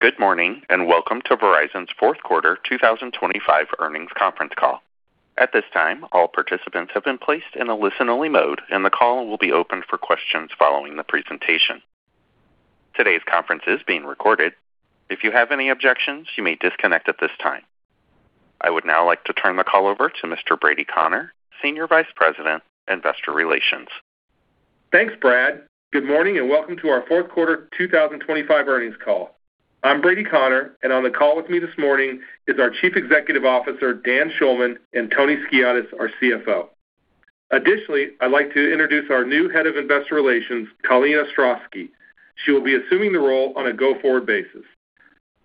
Good morning, and welcome to Verizon's fourth quarter 2025 earnings conference call. At this time, all participants have been placed in a listen-only mode, and the call will be open for questions following the presentation. Today's conference is being recorded. If you have any objections, you may disconnect at this time. I would now like to turn the call over to Mr. Brady Connor, Senior Vice President, Investor Relations. Thanks, Brad. Good morning, and welcome to our fourth quarter 2025 earnings call. I'm Brady Connor, and on the call with me this morning is our Chief Executive Officer, Dan Schulman, and Tony Skiadas, our CFO. Additionally, I'd like to introduce our new Head of Investor Relations, Colleen Ostrowski. She will be assuming the role on a go-forward basis.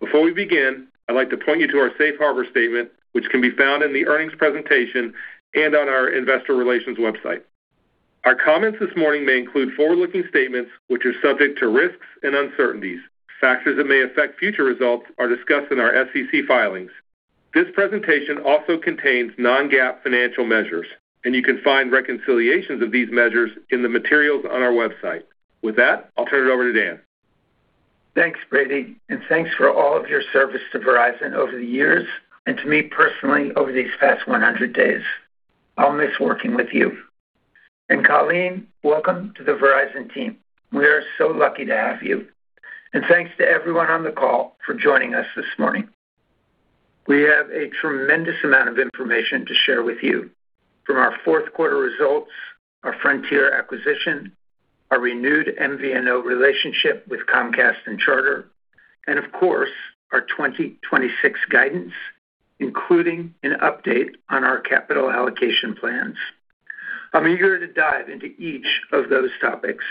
Before we begin, I'd like to point you to our Safe Harbor statement, which can be found in the earnings presentation and on our investor relations website. Our comments this morning may include forward-looking statements, which are subject to risks and uncertainties. Factors that may affect future results are discussed in our SEC filings. This presentation also contains non-GAAP financial measures, and you can find reconciliations of these measures in the materials on our website. With that, I'll turn it over to Dan. Thanks, Brady, and thanks for all of your service to Verizon over the years, and to me personally, over these past 100 days. I'll miss working with you. And Colleen, welcome to the Verizon team. We are so lucky to have you. And thanks to everyone on the call for joining us this morning. We have a tremendous amount of information to share with you from our fourth quarter results, our Frontier acquisition, our renewed MVNO relationship with Comcast and Charter, and of course, our 2026 guidance, including an update on our capital allocation plans. I'm eager to dive into each of those topics,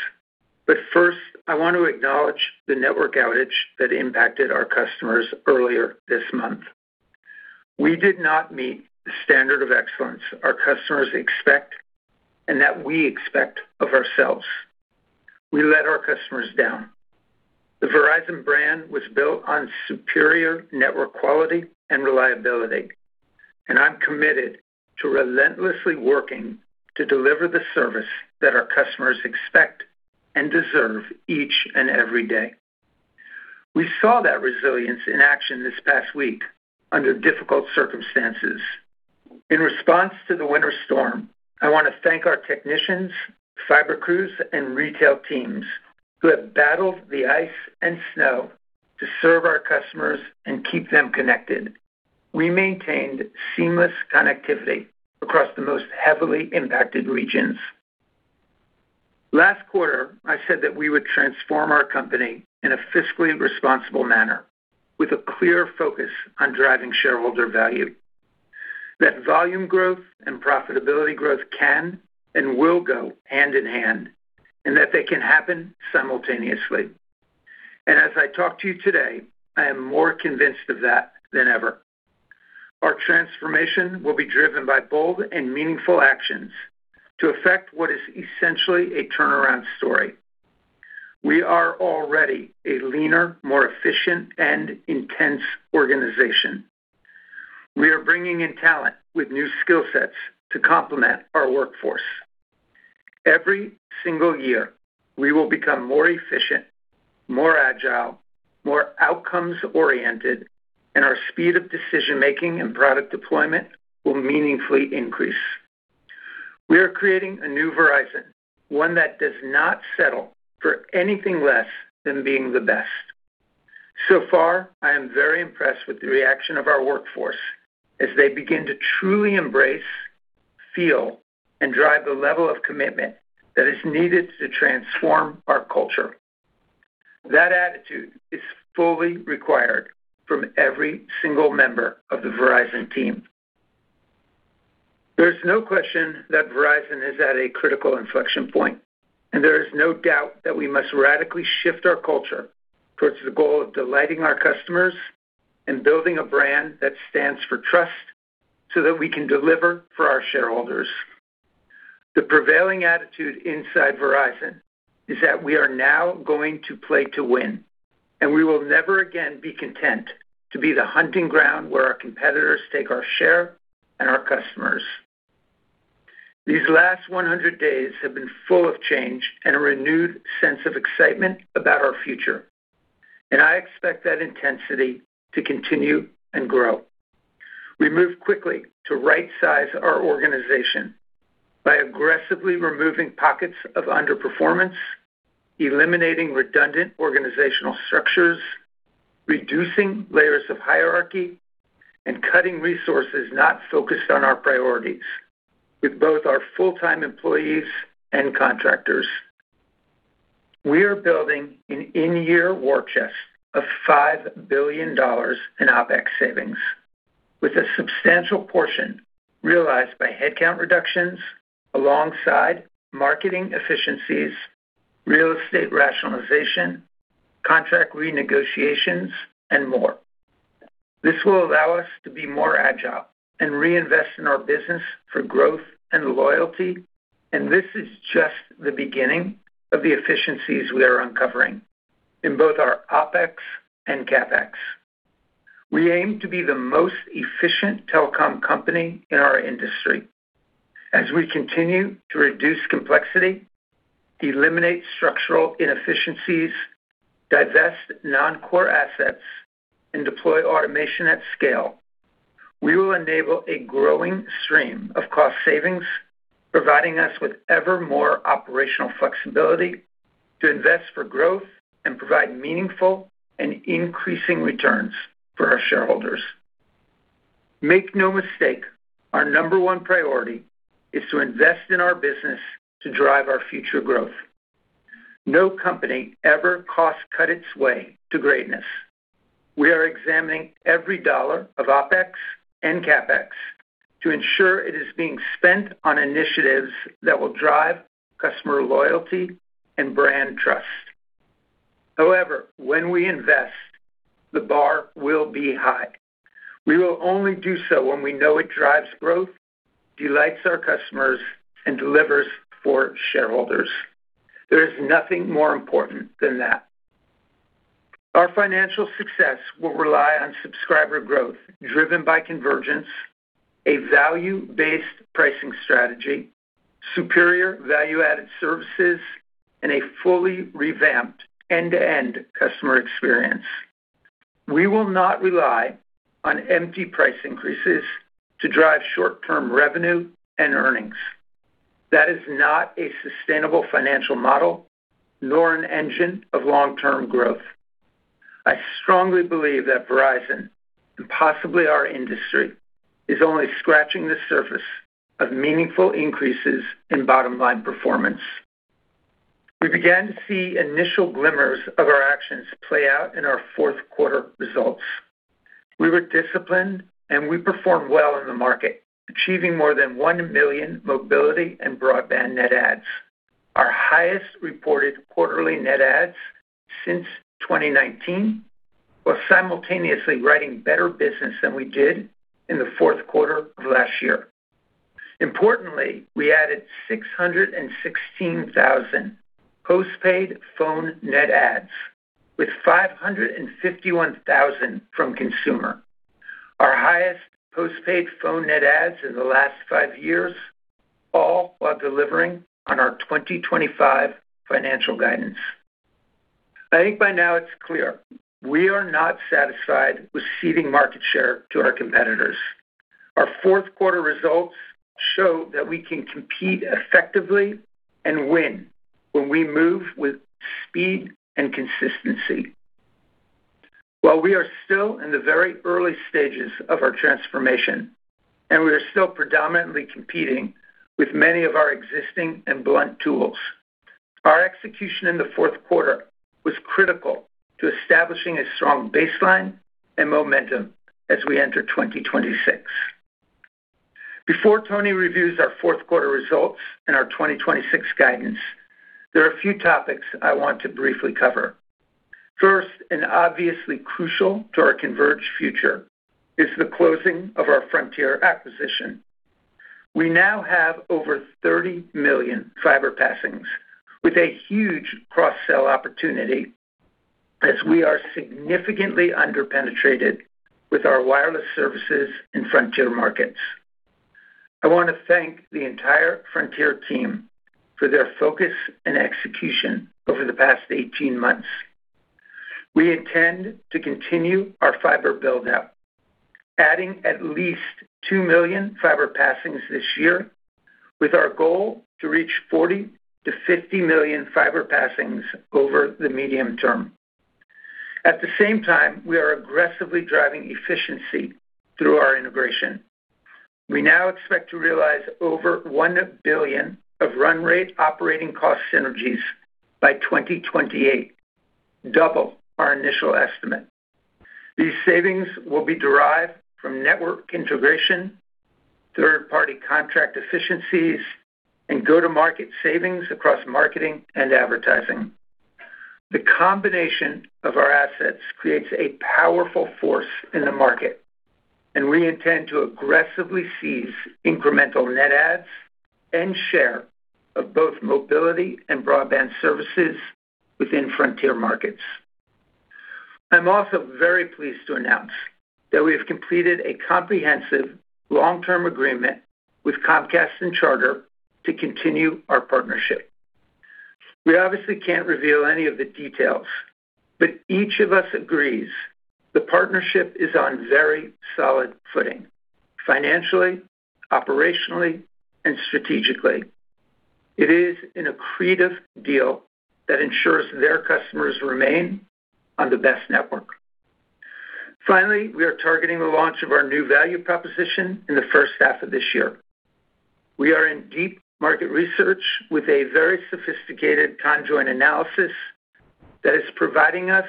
but first, I want to acknowledge the network outage that impacted our customers earlier this month. We did not meet the standard of excellence our customers expect and that we expect of ourselves. We let our customers down. The Verizon brand was built on superior network quality and reliability, and I'm committed to relentlessly working to deliver the service that our customers expect and deserve each and every day. We saw that resilience in action this past week under difficult circumstances. In response to the winter storm, I want to thank our technicians, fiber crews, and retail teams who have battled the ice and snow to serve our customers and keep them connected. We maintained seamless connectivity across the most heavily impacted regions. Last quarter, I said that we would transform our company in a fiscally responsible manner, with a clear focus on driving shareholder value, that volume growth and profitability growth can and will go hand in hand, and that they can happen simultaneously. And as I talk to you today, I am more convinced of that than ever. Our transformation will be driven by bold and meaningful actions to affect what is essentially a turnaround story. We are already a leaner, more efficient, and intense organization. We are bringing in talent with new skill sets to complement our workforce. Every single year, we will become more efficient, more agile, more outcomes-oriented, and our speed of decision-making and product deployment will meaningfully increase. We are creating a new Verizon, one that does not settle for anything less than being the best. So far, I am very impressed with the reaction of our workforce as they begin to truly embrace, feel, and drive the level of commitment that is needed to transform our culture. That attitude is fully required from every single member of the Verizon team. There is no question that Verizon is at a critical inflection point, and there is no doubt that we must radically shift our culture towards the goal of delighting our customers and building a brand that stands for trust, so that we can deliver for our shareholders. The prevailing attitude inside Verizon is that we are now going to play to win, and we will never again be content to be the hunting ground where our competitors take our share and our customers. These last 100 days have been full of change and a renewed sense of excitement about our future, and I expect that intensity to continue and grow. We moved quickly to rightsize our organization by aggressively removing pockets of underperformance, eliminating redundant organizational structures, reducing layers of hierarchy, and cutting resources not focused on our priorities with both our full-time employees and contractors. We are building an in-year war chest of $5 billion in OpEx savings, with a substantial portion realized by headcount reductions alongside marketing efficiencies, real estate rationalization, contract renegotiations, and more. This will allow us to be more agile and reinvest in our business for growth and loyalty, and this is just the beginning of the efficiencies we are uncovering in both our OpEx and CapEx.... We aim to be the most efficient telecom company in our industry. As we continue to reduce complexity, eliminate structural inefficiencies, divest non-core assets, and deploy automation at scale, we will enable a growing stream of cost savings, providing us with ever more operational flexibility to invest for growth and provide meaningful and increasing returns for our shareholders. Make no mistake, our number one priority is to invest in our business to drive our future growth. No company ever cost-cut its way to greatness. We are examining every dollar of OpEx and CapEx to ensure it is being spent on initiatives that will drive customer loyalty and brand trust. However, when we invest, the bar will be high. We will only do so when we know it drives growth, delights our customers, and delivers for shareholders. There is nothing more important than that. Our financial success will rely on subscriber growth driven by convergence, a value-based pricing strategy, superior value-added services, and a fully revamped end-to-end customer experience. We will not rely on empty price increases to drive short-term revenue and earnings. That is not a sustainable financial model, nor an engine of long-term growth. I strongly believe that Verizon, and possibly our industry, is only scratching the surface of meaningful increases in bottom-line performance. We began to see initial glimmers of our actions play out in our fourth quarter results. We were disciplined, and we performed well in the market, achieving more than 1 million mobility and broadband net adds, our highest reported quarterly net adds since 2019, while simultaneously writing better business than we did in the fourth quarter of last year. Importantly, we added 616,000 postpaid phone net adds, with 551,000 from Consumer, our highest postpaid phone net adds in the last five years, all while delivering on our 2025 financial guidance. I think by now it's clear we are not satisfied with ceding market share to our competitors. Our fourth quarter results show that we can compete effectively and win when we move with speed and consistency. While we are still in the very early stages of our transformation, and we are still predominantly competing with many of our existing and blunt tools, our execution in the fourth quarter was critical to establishing a strong baseline and momentum as we enter 2026. Before Tony reviews our fourth quarter results and our 2026 guidance, there are a few topics I want to briefly cover. First, and obviously crucial to our converged future, is the closing of our Frontier acquisition. We now have over 30 million fiber passings, with a huge cross-sell opportunity, as we are significantly under-penetrated with our wireless services in Frontier markets. I want to thank the entire Frontier team for their focus and execution over the past 18 months. We intend to continue our fiber build-out, adding at least 2 million fiber passings this year, with our goal to reach 40-50 million fiber passings over the medium term. At the same time, we are aggressively driving efficiency through our integration. We now expect to realize over $1 billion of run rate operating cost synergies by 2028, double our initial estimate. These savings will be derived from network integration, third-party contract efficiencies, and go-to-market savings across marketing and advertising. The combination of our assets creates a powerful force in the market, and we intend to aggressively seize incremental net adds and share of both mobility and broadband services within Frontier markets. I'm also very pleased to announce that we have completed a comprehensive long-term agreement with Comcast and Charter to continue our partnership. We obviously can't reveal any of the details, but each of us agrees the partnership is on very solid footing, financially, operationally, and strategically. It is an accretive deal that ensures their customers remain on the best network. Finally, we are targeting the launch of our new value proposition in the first half of this year. We are in deep market research with a very sophisticated conjoint analysis that is providing us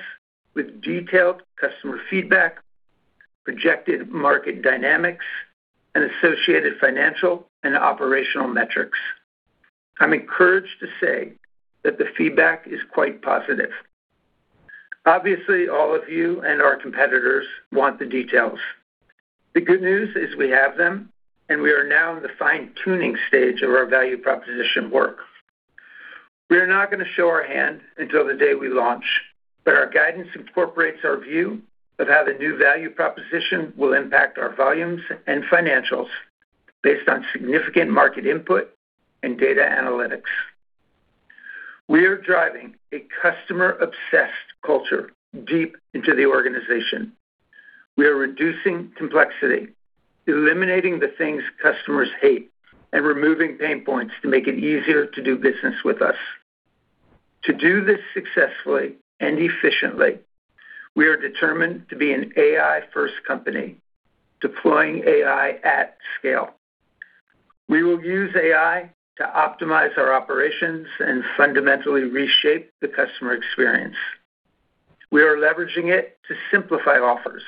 with detailed customer feedback, projected market dynamics, and associated financial and operational metrics. I'm encouraged to say that the feedback is quite positive. Obviously, all of you and our competitors want the details. The good news is we have them, and we are now in the fine-tuning stage of our value proposition work. We are not going to show our hand until the day we launch, but our guidance incorporates our view of how the new value proposition will impact our volumes and financials based on significant market input and data analytics. We are driving a customer-obsessed culture deep into the organization. We are reducing complexity, eliminating the things customers hate, and removing pain points to make it easier to do business with us. To do this successfully and efficiently, we are determined to be an AI-first company, deploying AI at scale. We will use AI to optimize our operations and fundamentally reshape the customer experience. We are leveraging it to simplify offers,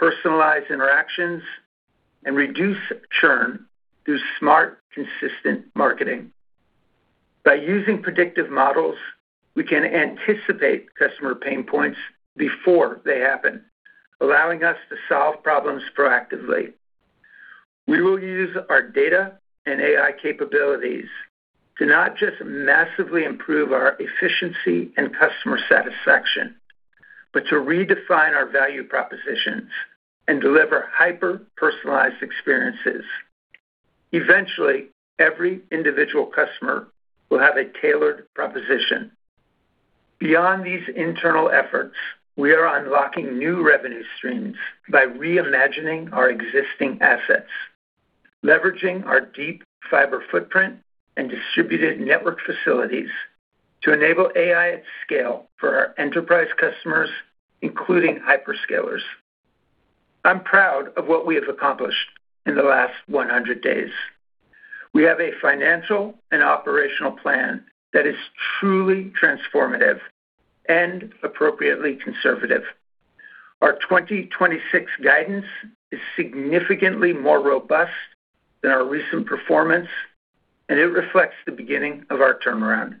personalize interactions, and reduce churn through smart, consistent marketing. By using predictive models, we can anticipate customer pain points before they happen, allowing us to solve problems proactively. We will use our data and AI capabilities to not just massively improve our efficiency and customer satisfaction, but to redefine our value propositions and deliver hyper-personalized experiences. Eventually, every individual customer will have a tailored proposition. Beyond these internal efforts, we are unlocking new revenue streams by reimagining our existing assets, leveraging our deep fiber footprint and distributed network facilities to enable AI at scale for our enterprise customers, including hyperscalers. I'm proud of what we have accomplished in the last 100 days. We have a financial and operational plan that is truly transformative and appropriately conservative. Our 2026 guidance is significantly more robust than our recent performance, and it reflects the beginning of our turnaround.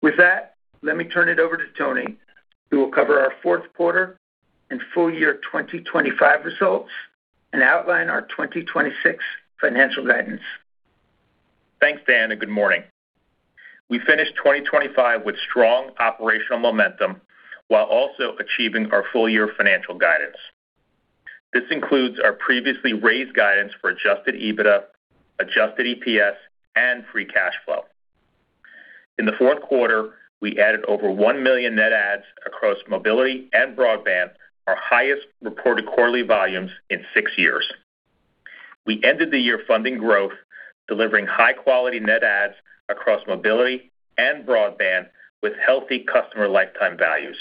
With that, let me turn it over to Tony, who will cover our fourth quarter and full year 2025 results and outline our 2026 financial guidance. Thanks, Dan, and good morning. We finished 2025 with strong operational momentum while also achieving our full-year financial guidance. This includes our previously raised guidance for Adjusted EBITDA, Adjusted EPS, and free cash flow. In the fourth quarter, we added over 1 million net adds across mobility and broadband, our highest reported quarterly volumes in 6 years. We ended the year funding growth, delivering high-quality net adds across mobility and broadband with healthy customer lifetime values.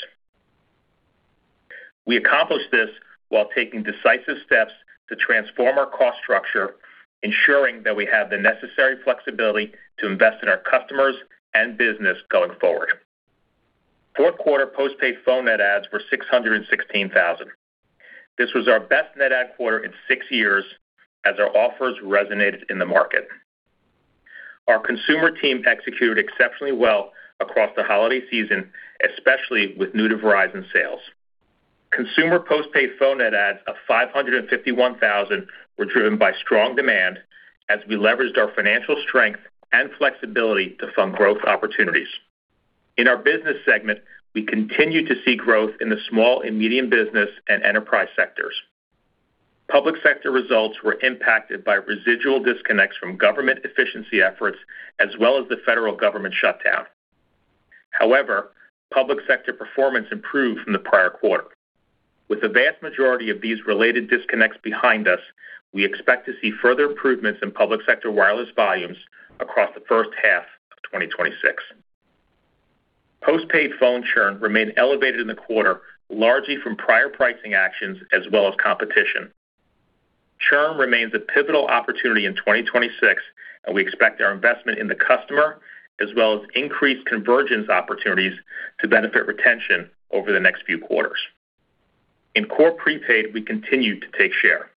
We accomplished this while taking decisive steps to transform our cost structure, ensuring that we have the necessary flexibility to invest in our customers and business going forward. Fourth quarter postpaid phone net adds were 616,000. This was our best net add quarter in 6 years as our offers resonated in the market. Our consumer team executed exceptionally well across the holiday season, especially with new-to-Verizon sales. Consumer postpaid phone net adds of 551,000 were driven by strong demand as we leveraged our financial strength and flexibility to fund growth opportunities. In our business segment, we continued to see growth in the small and medium business and enterprise sectors. Public sector results were impacted by residual disconnects from government efficiency efforts, as well as the federal government shutdown. However, public sector performance improved from the prior quarter. With the vast majority of these related disconnects behind us, we expect to see further improvements in public sector wireless volumes across the first half of 2026. Postpaid phone churn remained elevated in the quarter, largely from prior pricing actions as well as competition. Churn remains a pivotal opportunity in 2026, and we expect our investment in the customer, as well as increased convergence opportunities, to benefit retention over the next few quarters. In core prepaid, we continued to take share.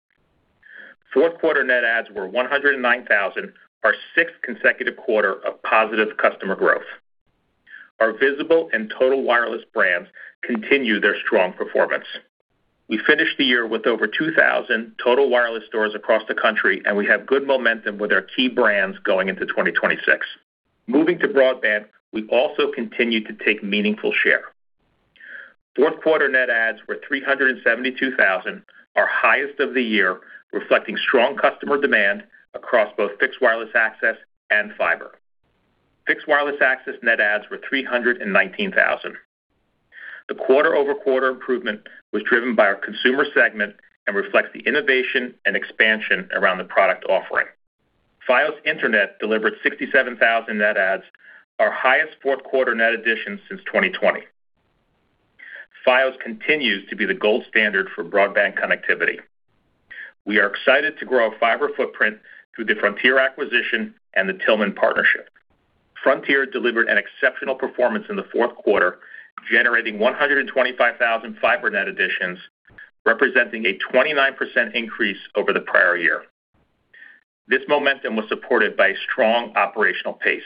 Fourth quarter net adds were 109,000, our sixth consecutive quarter of positive customer growth. Our Visible and Total Wireless brands continue their strong performance. We finished the year with over 2,000 Total Wireless stores across the country, and we have good momentum with our key brands going into 2026. Moving to broadband, we also continued to take meaningful share. Fourth quarter net adds were 372,000, our highest of the year, reflecting strong customer demand across both Fixed Wireless Access and fiber. Fixed Wireless Access net adds were 319,000. The quarter-over-quarter improvement was driven by our consumer segment and reflects the innovation and expansion around the product offering. Fios Internet delivered 67,000 net adds, our highest fourth quarter net addition since 2020. Fios continues to be the gold standard for broadband connectivity. We are excited to grow our fiber footprint through the Frontier acquisition and the Tillman partnership. Frontier delivered an exceptional performance in the fourth quarter, generating 125,000 fiber net additions, representing a 29% increase over the prior year. This momentum was supported by strong operational pace.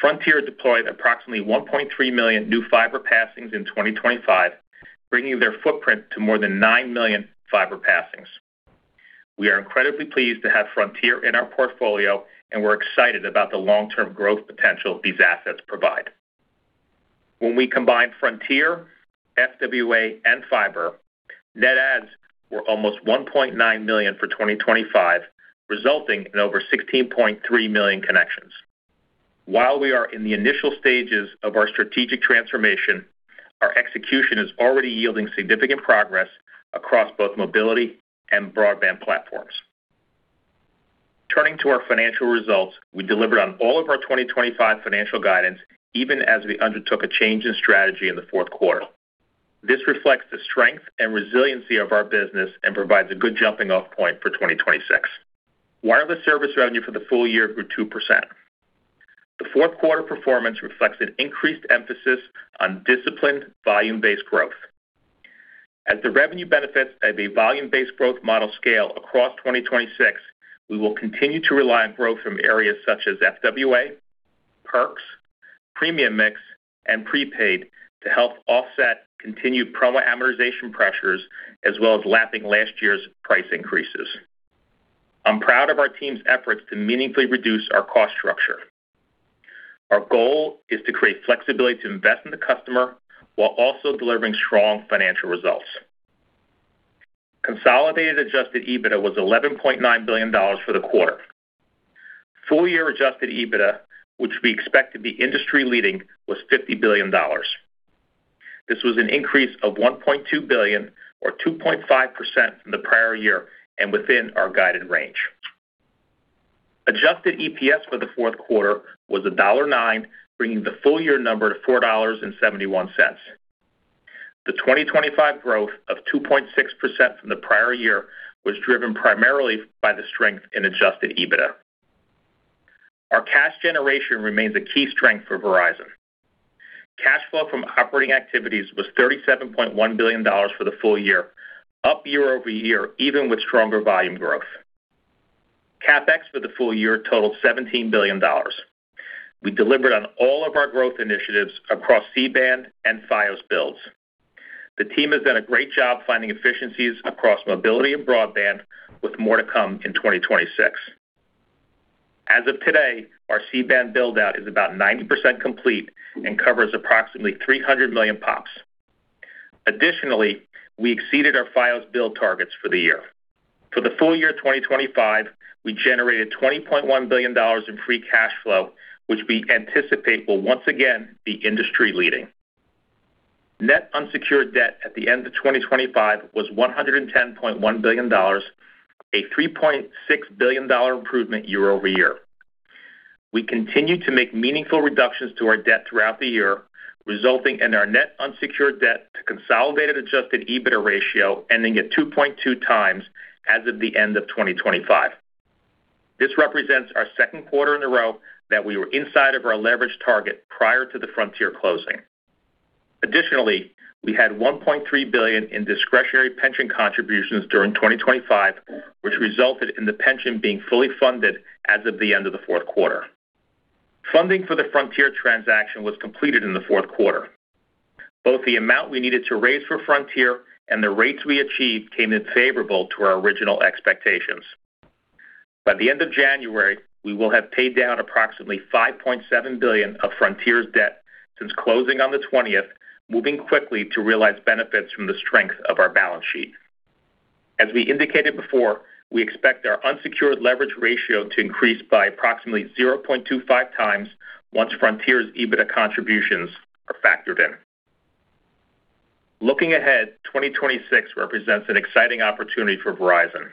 Frontier deployed approximately 1.3 million new fiber passings in 2025, bringing their footprint to more than 9 million fiber passings. We are incredibly pleased to have Frontier in our portfolio, and we're excited about the long-term growth potential these assets provide. When we combine Frontier, FWA, and fiber, net adds were almost 1.9 million for 2025, resulting in over 16.3 million connections. While we are in the initial stages of our strategic transformation, our execution is already yielding significant progress across both mobility and broadband platforms. Turning to our financial results, we delivered on all of our 2025 financial guidance, even as we undertook a change in strategy in the fourth quarter. This reflects the strength and resiliency of our business and provides a good jumping-off point for 2026. Wireless service revenue for the full year grew 2%. The fourth quarter performance reflects an increased emphasis on disciplined, volume-based growth. As the revenue benefits of a volume-based growth model scale across 2026, we will continue to rely on growth from areas such as FWA, perks, premium mix, and prepaid to help offset continued promo amortization pressures, as well as lapping last year's price increases. I'm proud of our team's efforts to meaningfully reduce our cost structure. Our goal is to create flexibility to invest in the customer, while also delivering strong financial results. Consolidated adjusted EBITDA was $11.9 billion for the quarter. Full year adjusted EBITDA, which we expect to be industry-leading, was $50 billion. This was an increase of $1.2 billion or 2.5% from the prior year and within our guided range. Adjusted EPS for the fourth quarter was $1.09, bringing the full year number to $4.71. The 2025 growth of 2.6% from the prior year was driven primarily by the strength in adjusted EBITDA. Our cash generation remains a key strength for Verizon. Cash flow from operating activities was $37.1 billion for the full year, up year-over-year, even with stronger volume growth. CapEx for the full year totaled $17 billion. We delivered on all of our growth initiatives across C-Band and Fios builds. The team has done a great job finding efficiencies across mobility and broadband, with more to come in 2026. As of today, our C-Band build-out is about 90% complete and covers approximately 300 million POPs. Additionally, we exceeded our Fios build targets for the year. For the full year 2025, we generated $20.1 billion in free cash flow, which we anticipate will once again be industry-leading. Net unsecured debt at the end of 2025 was $110.1 billion, a $3.6 billion improvement year-over-year. We continued to make meaningful reductions to our debt throughout the year, resulting in our net unsecured debt to consolidated adjusted EBITDA ratio ending at 2.2x as of the end of 2025. This represents our second quarter in a row that we were inside of our leverage target prior to the Frontier closing. Additionally, we had $1.3 billion in discretionary pension contributions during 2025, which resulted in the pension being fully funded as of the end of the fourth quarter. Funding for the Frontier transaction was completed in the fourth quarter. Both the amount we needed to raise for Frontier and the rates we achieved came in favorable to our original expectations. By the end of January, we will have paid down approximately $5.7 billion of Frontier's debt since closing on the twentieth, moving quickly to realize benefits from the strength of our balance sheet. As we indicated before, we expect our unsecured leverage ratio to increase by approximately 0.25x once Frontier's EBITDA contributions are factored in. Looking ahead, 2026 represents an exciting opportunity for Verizon.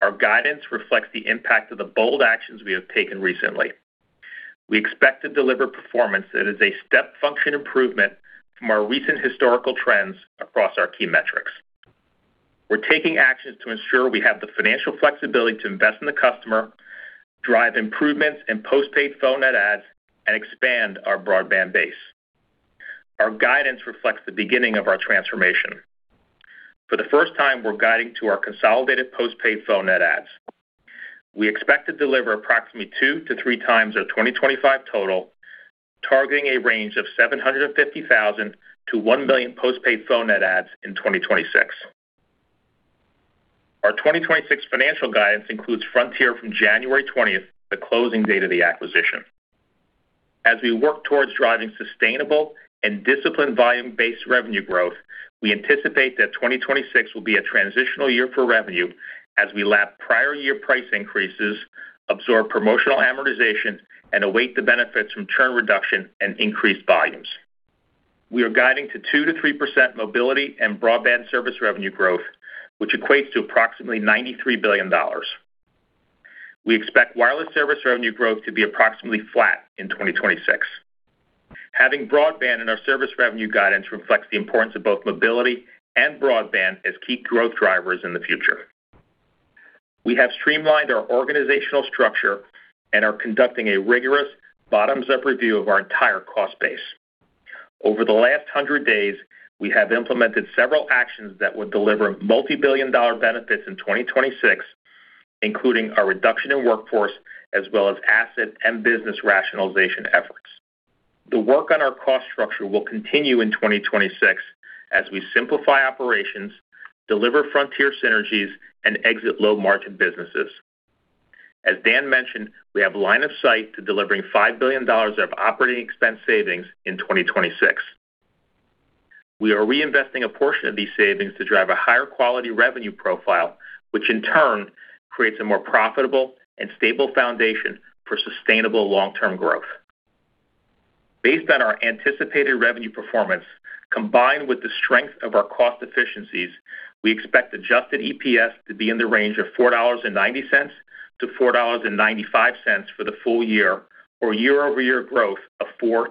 Our guidance reflects the impact of the bold actions we have taken recently. We expect to deliver performance that is a step function improvement from our recent historical trends across our key metrics. We're taking actions to ensure we have the financial flexibility to invest in the customer, drive improvements in postpaid phone net adds, and expand our broadband base. Our guidance reflects the beginning of our transformation. For the first time, we're guiding to our consolidated postpaid phone net adds. We expect to deliver approximately 2x-3x our 2025 total, targeting a range of 750,000-1 million postpaid phone net adds in 2026. Our 2026 financial guidance includes Frontier from January 20th, the closing date of the acquisition. As we work towards driving sustainable and disciplined volume-based revenue growth, we anticipate that 2026 will be a transitional year for revenue as we lap prior year price increases, absorb promotional amortization, and await the benefits from churn reduction and increased volumes. We are guiding to 2%-3% mobility and broadband service revenue growth, which equates to approximately $93 billion. We expect wireless service revenue growth to be approximately flat in 2026. Having broadband in our service revenue guidance reflects the importance of both mobility and broadband as key growth drivers in the future. We have streamlined our organizational structure and are conducting a rigorous bottoms-up review of our entire cost base. Over the last 100 days, we have implemented several actions that will deliver multibillion-dollar benefits in 2026, including a reduction in workforce, as well as asset and business rationalization efforts. The work on our cost structure will continue in 2026 as we simplify operations, deliver Frontier synergies, and exit low-margin businesses. As Dan mentioned, we have line of sight to delivering $5 billion of operating expense savings in 2026. We are reinvesting a portion of these savings to drive a higher quality revenue profile, which in turn creates a more profitable and stable foundation for sustainable long-term growth. Based on our anticipated revenue performance, combined with the strength of our cost efficiencies, we expect adjusted EPS to be in the range of $4.90-$4.95 for the full year, or year-over-year growth of 4%-5%.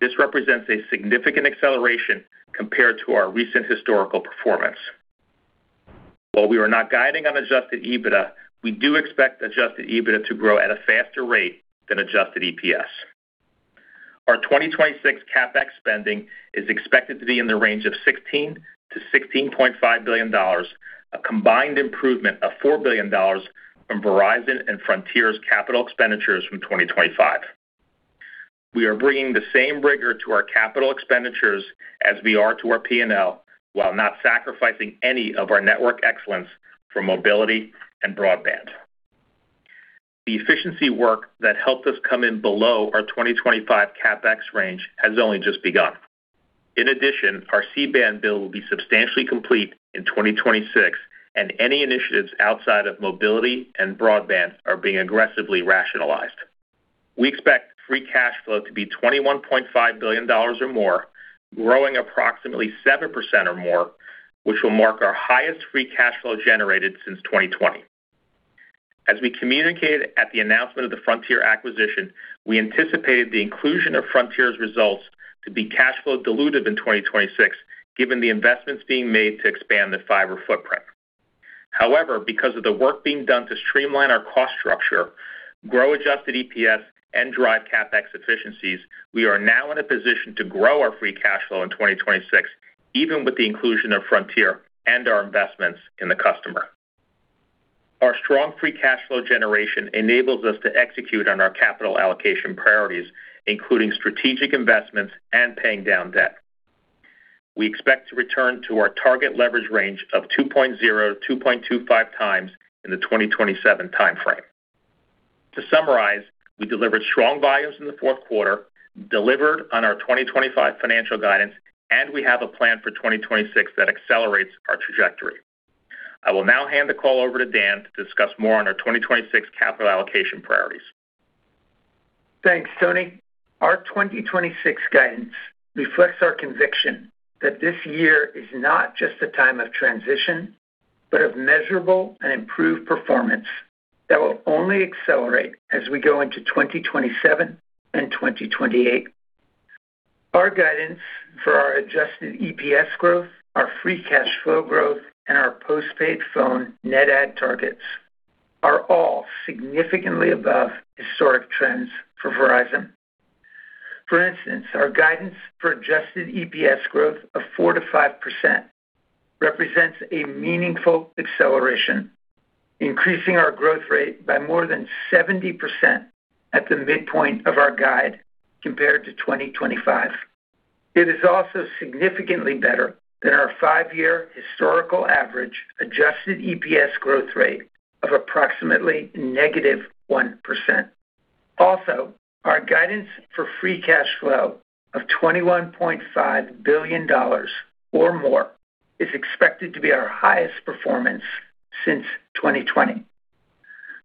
This represents a significant acceleration compared to our recent historical performance. While we are not guiding on adjusted EBITDA, we do expect adjusted EBITDA to grow at a faster rate than adjusted EPS. Our 2026 CapEx spending is expected to be in the range of $16 billion-$16.5 billion, a combined improvement of $4 billion from Verizon and Frontier's capital expenditures from 2025. We are bringing the same rigor to our capital expenditures as we are to our P&L, while not sacrificing any of our network excellence for mobility and broadband. The efficiency work that helped us come in below our 2025 CapEx range has only just begun. In addition, our C-Band build will be substantially complete in 2026, and any initiatives outside of mobility and broadband are being aggressively rationalized. We expect free cash flow to be $21.5 billion or more, growing approximately 7% or more, which will mark our highest free cash flow generated since 2020. As we communicated at the announcement of the Frontier acquisition, we anticipated the inclusion of Frontier's results to be cash flow dilutive in 2026, given the investments being made to expand the fiber footprint. However, because of the work being done to streamline our cost structure, grow Adjusted EPS, and drive CapEx efficiencies, we are now in a position to grow our free cash flow in 2026, even with the inclusion of Frontier and our investments in the customer. Our strong free cash flow generation enables us to execute on our capital allocation priorities, including strategic investments and paying down debt. We expect to return to our target leverage range of 2.0x-2.25x in the 2027 timeframe. To summarize, we delivered strong volumes in the fourth quarter, delivered on our 2025 financial guidance, and we have a plan for 2026 that accelerates our trajectory. I will now hand the call over to Dan to discuss more on our 2026 capital allocation priorities. Thanks, Tony. Our 2026 guidance reflects our conviction that this year is not just a time of transition, but of measurable and improved performance that will only accelerate as we go into 2027 and 2028. Our guidance for our Adjusted EPS growth, our free cash flow growth, and our postpaid phone net add targets are all significantly above historic trends for Verizon. For instance, our guidance for Adjusted EPS growth of 4%-5% represents a meaningful acceleration, increasing our growth rate by more than 70% at the midpoint of our guide compared to 2025. It is also significantly better than our 5-year historical average Adjusted EPS growth rate of approximately -1%. Also, our guidance for free cash flow of $21.5 billion or more is expected to be our highest performance since 2020.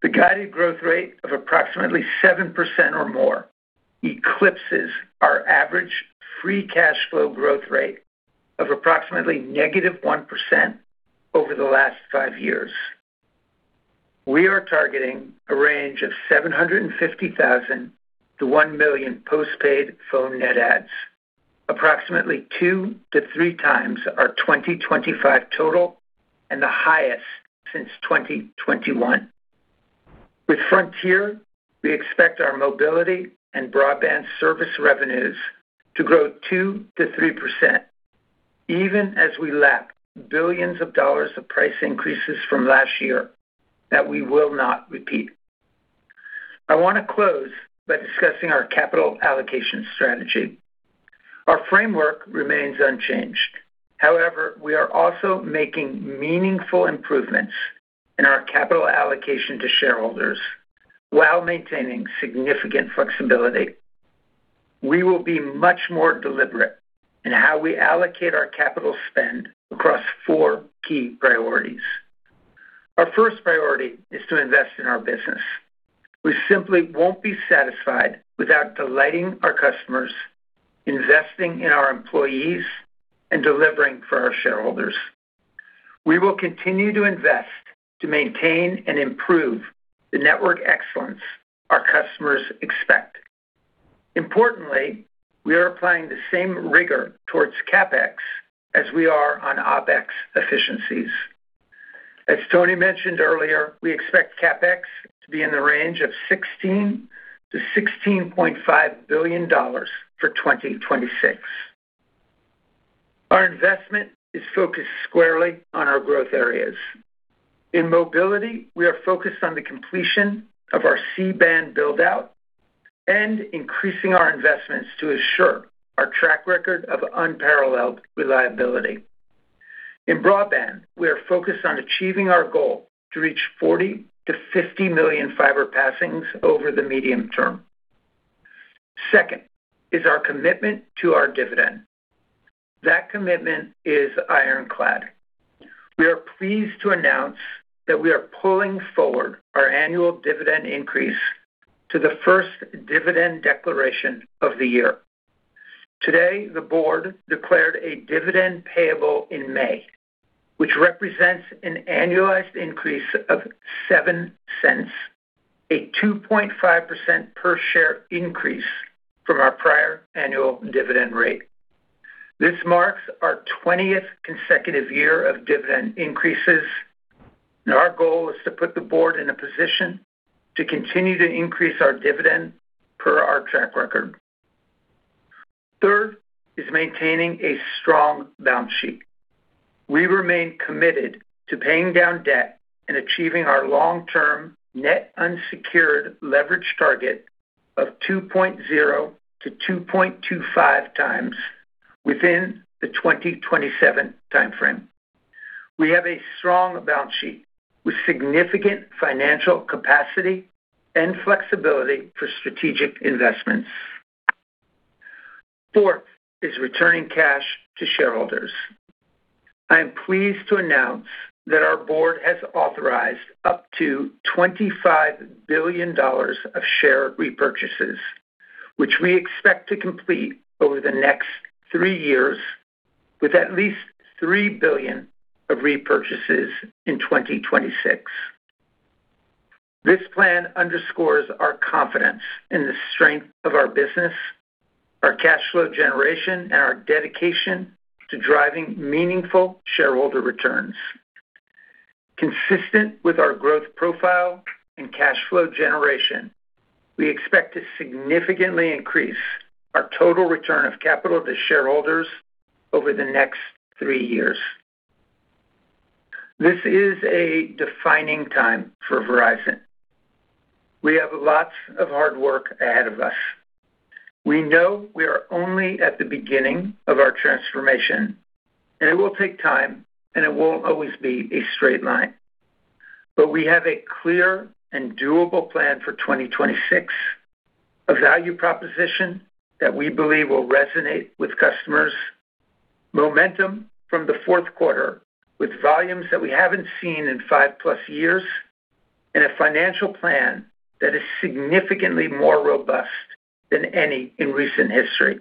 The guided growth rate of approximately 7% or more eclipses our average free cash flow growth rate of approximately -1% over the last five years. We are targeting a range of 750,000-1 million postpaid phone net adds, approximately 2x-3x our 2025 total and the highest since 2021. With Frontier, we expect our mobility and broadband service revenues to grow 2%-3%, even as we lap billions of dollars of price increases from last year that we will not repeat. I want to close by discussing our capital allocation strategy. Our framework remains unchanged. However, we are also making meaningful improvements in our capital allocation to shareholders while maintaining significant flexibility. We will be much more deliberate in how we allocate our capital spend across four key priorities. Our first priority is to invest in our business. We simply won't be satisfied without delighting our customers, investing in our employees, and delivering for our shareholders. We will continue to invest to maintain and improve the network excellence our customers expect. Importantly, we are applying the same rigor towards CapEx as we are on OpEx efficiencies. As Tony mentioned earlier, we expect CapEx to be in the range of $16 billion-$16.5 billion for 2026. Investment is focused squarely on our growth areas. In mobility, we are focused on the completion of our C-band build-out and increasing our investments to assure our track record of unparalleled reliability. In broadband, we are focused on achieving our goal to reach 40 million-50 million fiber passings over the medium term. Second, is our commitment to our dividend. That commitment is ironclad. We are pleased to announce that we are pulling forward our annual dividend increase to the first dividend declaration of the year. Today, the board declared a dividend payable in May, which represents an annualized increase of $0.07, a 2.5% per share increase from our prior annual dividend rate. This marks our 20th consecutive year of dividend increases, and our goal is to put the board in a position to continue to increase our dividend per our track record. Third, is maintaining a strong balance sheet. We remain committed to paying down debt and achieving our long-term net unsecured leverage target of 2.0x-2.25x within the 2027 time frame. We have a strong balance sheet with significant financial capacity and flexibility for strategic investments. Fourth, is returning cash to shareholders. I am pleased to announce that our board has authorized up to $25 billion of share repurchases, which we expect to complete over the next three years, with at least $3 billion of repurchases in 2026. This plan underscores our confidence in the strength of our business, our cash flow generation, and our dedication to driving meaningful shareholder returns. Consistent with our growth profile and cash flow generation, we expect to significantly increase our total return of capital to shareholders over the next three years. This is a defining time for Verizon. We have lots of hard work ahead of us. We know we are only at the beginning of our transformation, and it will take time, and it won't always be a straight line. We have a clear and doable plan for 2026, a value proposition that we believe will resonate with customers, momentum from the fourth quarter with volumes that we haven't seen in 5+ years, and a financial plan that is significantly more robust than any in recent history,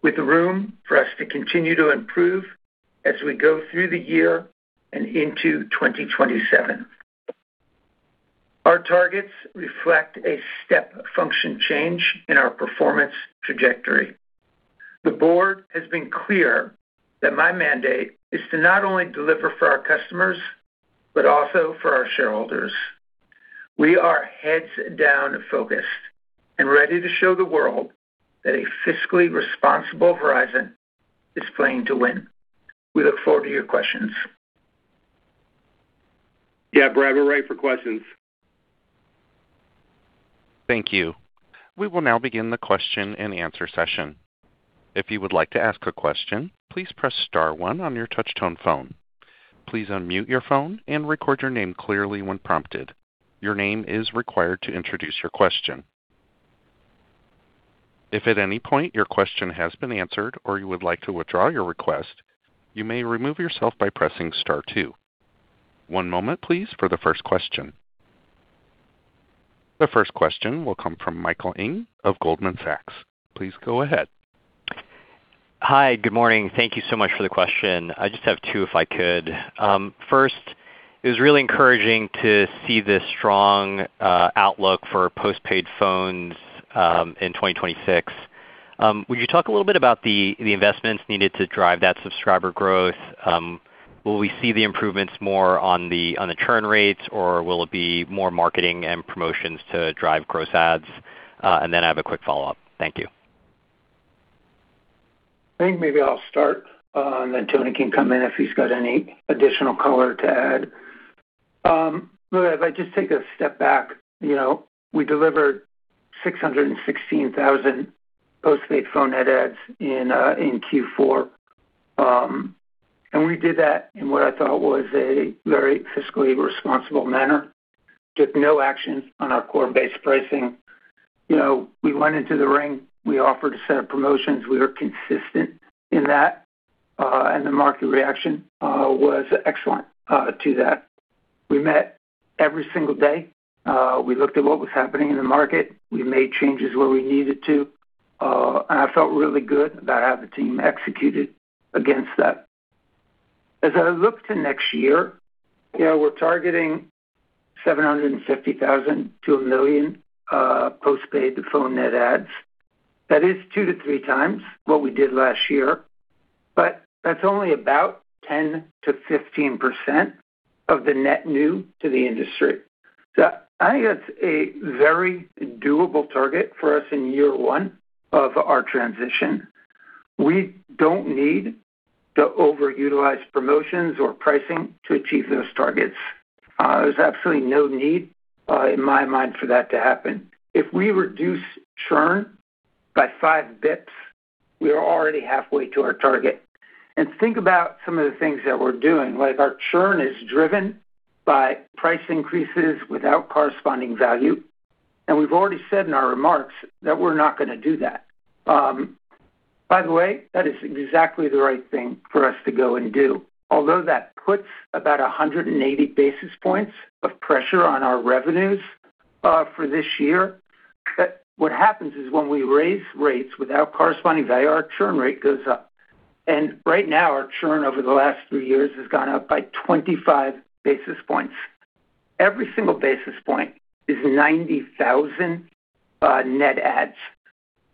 with room for us to continue to improve as we go through the year and into 2027. Our targets reflect a step function change in our performance trajectory. The board has been clear that my mandate is to not only deliver for our customers, but also for our shareholders. We are heads down, focused, and ready to show the world that a fiscally responsible Verizon is playing to win. We look forward to your questions. Yeah, Brady, we're ready for questions. Thank you. We will now begin the question-and-answer session. If you would like to ask a question, please press star one on your touchtone phone. Please unmute your phone and record your name clearly when prompted. Your name is required to introduce your question. If at any point your question has been answered or you would like to withdraw your request, you may remove yourself by pressing star two. One moment, please, for the first question. The first question will come from Michael Ng of Goldman Sachs. Please go ahead. Hi, good morning. Thank you so much for the question. I just have two, if I could. First, it was really encouraging to see this strong, outlook for postpaid phones, in 2026. Would you talk a little bit about the, the investments needed to drive that subscriber growth? Will we see the improvements more on the, on the churn rates, or will it be more marketing and promotions to drive gross adds? And then I have a quick follow-up. Thank you. I think maybe I'll start, and then Tony can come in if he's got any additional color to add. Look, if I just take a step back, you know, we delivered 616,000 postpaid phone net adds in Q4. And we did that in what I thought was a very fiscally responsible manner, took no action on our core base pricing. You know, we went into the ring, we offered a set of promotions. We were consistent in that, and the market reaction was excellent to that. We met every single day. We looked at what was happening in the market. We made changes where we needed to, and I felt really good about how the team executed against that. As I look to next year, you know, we're targeting 750,000 to 1 million postpaid phone net adds. That is 2x-3x what we did last year, but that's only about 10%-15% of the net new to the industry. So I think that's a very doable target for us in year one of our transition. We don't need to overutilize promotions or pricing to achieve those targets. There's absolutely no need, in my mind, for that to happen. If we reduce churn by five basis points, we are already halfway to our target. And think about some of the things that we're doing, like our churn is driven by price increases without corresponding value, and we've already said in our remarks that we're not gonna do that. By the way, that is exactly the right thing for us to go and do. Although that puts about 180 basis points of pressure on our revenues for this year, what happens is when we raise rates without corresponding value, our churn rate goes up. And right now, our churn over the last three years has gone up by 25 basis points. Every single basis point is 90,000 net adds.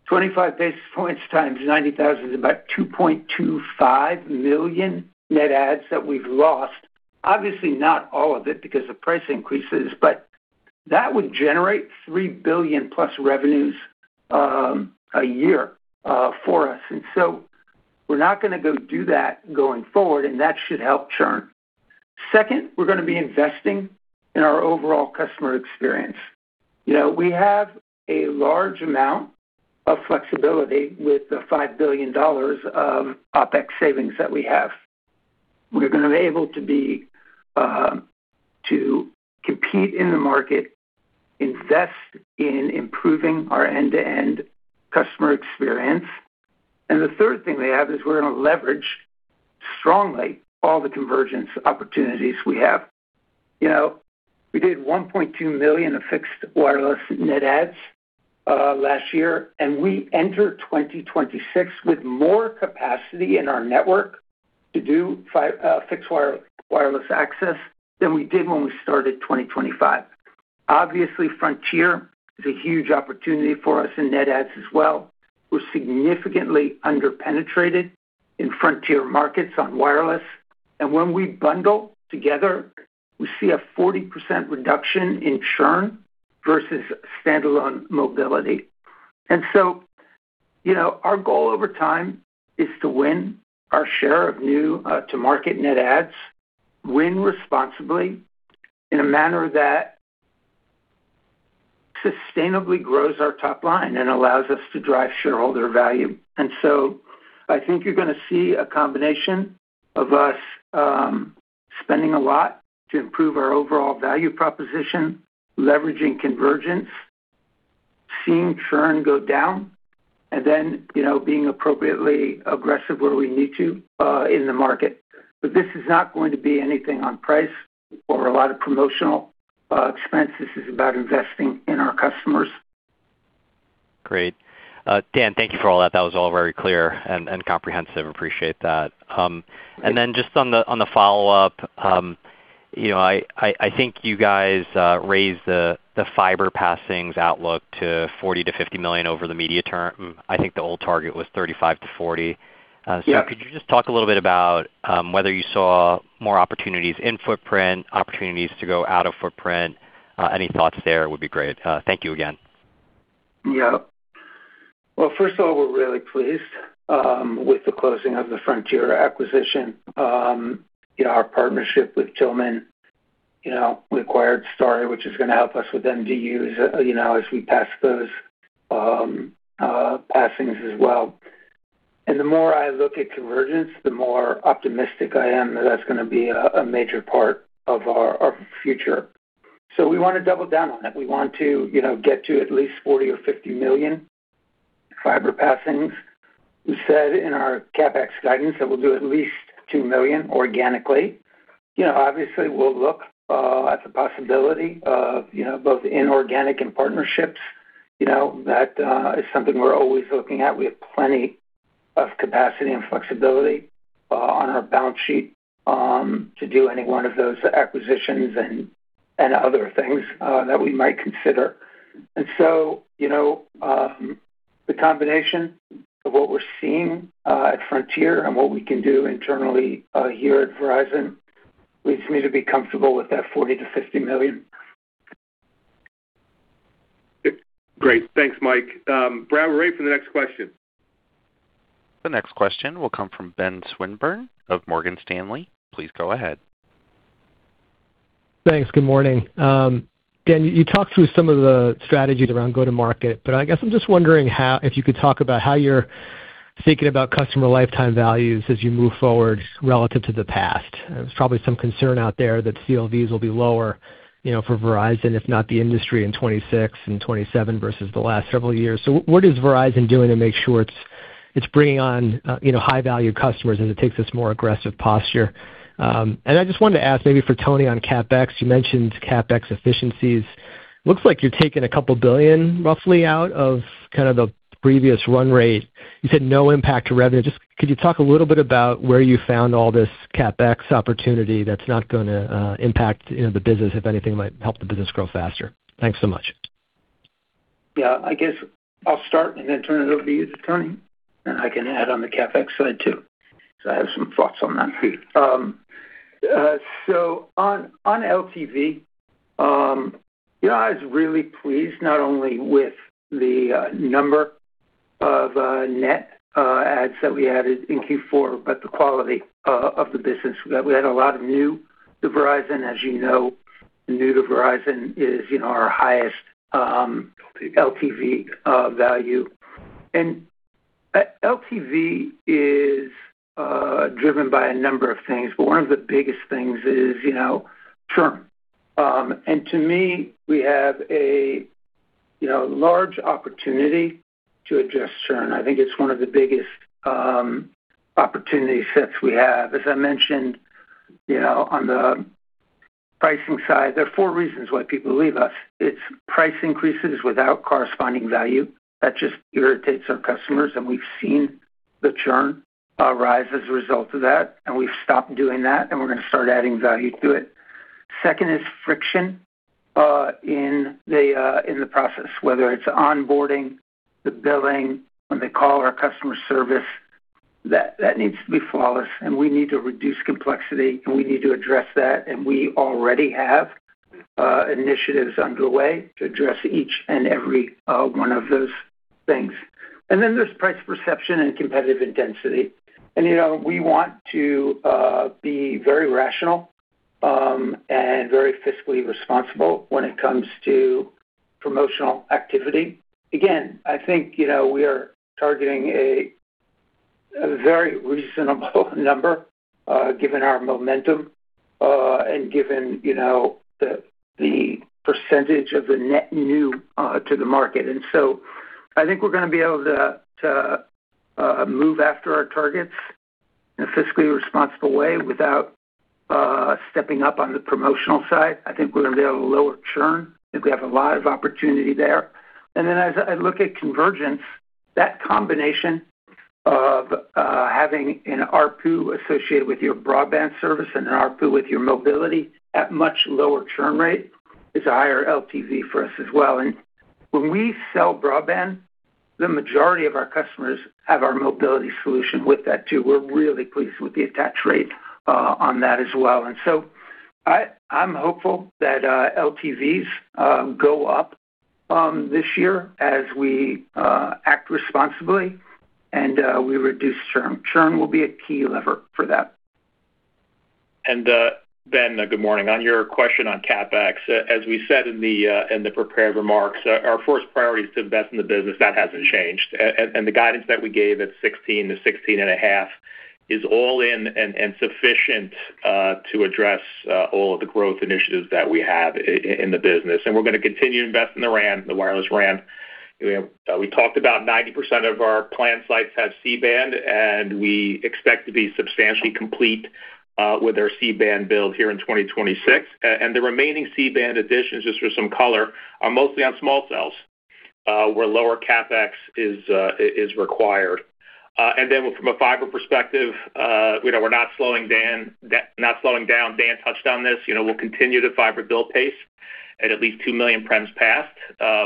25 basis points times 90,000 is about 2.25 million net adds that we've lost. Obviously, not all of it, because of price increases, but that would generate $3+ billion revenues a year for us. And so we're not gonna go do that going forward, and that should help churn. Second, we're gonna be investing in our overall customer experience. You know, we have a large amount of flexibility with the $5 billion of OpEx savings that we have. We're gonna be able to be to compete in the market, invest in improving our end-to-end customer experience. The third thing we have is we're gonna leverage strongly all the convergence opportunities we have. You know, we did 1.2 million of fixed wireless net adds last year, and we entered 2026 with more capacity in our network to do fixed wireless access than we did when we started 2025. Obviously, Frontier is a huge opportunity for us in net adds as well. We're significantly under-penetrated in Frontier markets on wireless, and when we bundle together, we see a 40% reduction in churn versus standalone mobility. you know, our goal over time is to win our share of new, to market net adds, win responsibly in a manner that sustainably grows our top line and allows us to drive shareholder value. I think you're gonna see a combination of us, spending a lot to improve our overall value proposition, leveraging convergence, seeing churn go down, and then, you know, being appropriately aggressive where we need to, in the market. But this is not going to be anything on price or a lot of promotional, expense. This is about investing in our customers. Great. Dan, thank you for all that. That was all very clear and comprehensive. Appreciate that. And then just on the follow-up, you know, I think you guys raised the fiber passings outlook to 40 million-50 million over the medium term. I think the old target was 35-40. Yeah. So could you just talk a little bit about whether you saw more opportunities in footprint, opportunities to go out of footprint? Any thoughts there would be great. Thank you again. Yeah. Well, first of all, we're really pleased with the closing of the Frontier acquisition. You know, our partnership with Tillman, you know, we acquired Starry, which is gonna help us with MDUs, you know, as we pass those passings as well. And the more I look at convergence, the more optimistic I am that that's gonna be a major part of our future. So we want to double down on that. We want to, you know, get to at least 40 or 50 million fiber passings. We said in our CapEx guidance that we'll do at least 2 million organically. You know, obviously, we'll look at the possibility of, you know, both inorganic and partnerships. You know, that is something we're always looking at. We have plenty of capacity and flexibility on our balance sheet to do any one of those acquisitions and other things that we might consider. And so, you know, the combination of what we're seeing at Frontier and what we can do internally here at Verizon leads me to be comfortable with that 40 million-50 million. Great. Thanks, Mike. Brad, we're ready for the next question. The next question will come from Ben Swinburne of Morgan Stanley. Please go ahead. Thanks. Good morning, Dan. You talked through some of the strategies around go-to-market, but I guess I'm just wondering how. If you could talk about how you're thinking about customer lifetime values as you move forward, relative to the past. There's probably some concern out there that CLVs will be lower, you know, for Verizon, if not the industry, in 2026 and 2027 versus the last several years. So what is Verizon doing to make sure it's, it's bringing on, you know, high-value customers as it takes this more aggressive posture? I just wanted to ask, maybe for Tony, on CapEx. You mentioned CapEx efficiencies. Looks like you're taking $2 billion, roughly, out of kind of the previous run rate. You said no impact to revenue. Just could you talk a little bit about where you found all this CapEx opportunity that's not gonna impact, you know, the business? If anything, it might help the business grow faster. Thanks so much.... Yeah, I guess I'll start and then turn it over to you, Tony, and I can add on the CapEx side, too, because I have some thoughts on that, too. So on LTV, you know, I was really pleased not only with the number of net adds that we added in Q4, but the quality of the business. We had a lot of new to Verizon, as you know, new to Verizon is, you know, our highest LTV value. And LTV is driven by a number of things, but one of the biggest things is, you know, churn. And to me, we have a, you know, large opportunity to address churn. I think it's one of the biggest opportunity sets we have. As I mentioned, you know, on the pricing side, there are four reasons why people leave us. It's price increases without corresponding value. That just irritates our customers, and we've seen the churn rise as a result of that, and we've stopped doing that, and we're going to start adding value to it. Second is friction in the process, whether it's onboarding, the billing, when they call our customer service, that needs to be flawless, and we need to reduce complexity, and we need to address that. We already have initiatives underway to address each and every one of those things. Then there's price perception and competitive intensity. You know, we want to be very rational and very fiscally responsible when it comes to promotional activity. Again, I think, you know, we are targeting a very reasonable number, given our momentum, and given, you know, the percentage of the net new to the market. And so I think we're going to be able to to move after our targets in a fiscally responsible way without stepping up on the promotional side. I think we're going to be able to lower churn, I think we have a lot of opportunity there. And then as I look at convergence, that combination of having an ARPU associated with your broadband service and an ARPU with your mobility at much lower churn rate is a higher LTV for us as well. And when we sell broadband, the majority of our customers have our mobility solution with that, too. We're really pleased with the attach rate on that as well. And so I'm hopeful that LTVs go up this year as we act responsibly and we reduce churn. Churn will be a key lever for that. And, Ben, good morning. On your question on CapEx, as we said in the prepared remarks, our first priority is to invest in the business. That hasn't changed. And the guidance that we gave at 16-16.5 is all in and sufficient to address all of the growth initiatives that we have in the business. And we're going to continue to invest in the RAN, the wireless RAN. We have. We talked about 90% of our plant sites have C-band, and we expect to be substantially complete with our C-band build here in 2026. And the remaining C-band additions, just for some color, are mostly on small cells where lower CapEx is required. And then from a fiber perspective, we know we're not slowing down, not slowing down. Dan touched on this. You know, we'll continue the fiber build pace at least 2 million premises passed,